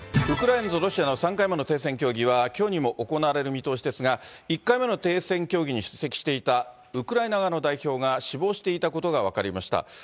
ウクライナとロシアの３回目の停戦協議は、きょうにも行われる見通しですが、１回目の停戦協議に出席していたウクライナ側の代表が死亡していたことが分かりました。